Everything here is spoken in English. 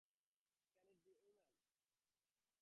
Can it be woman?